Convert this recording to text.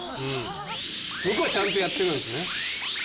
向こうはちゃんとやってるんですね。